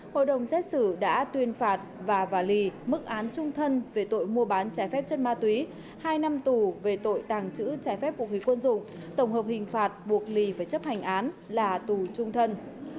hội đồng xét xử đã tuyên phạt và lì mức án trung thân về tội mua bán trái phép chất ma túy hai năm tù về tội tàng trữ trái phép vũ khí quân dụng tổng hợp hình phạt buộc lì phải chấp hành án là tù trung thân